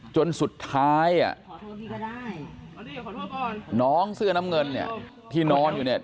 จนสุดท้ายอ่ะน้องเสื้อน้ำเงินเนี่ยที่นอนอยู่เนี่ย